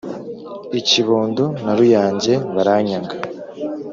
i kibondo na ruyange baranyaga